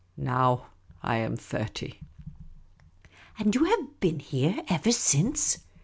Now I am thirty." " And you have been here ever since